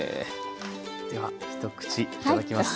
では一口いただきます。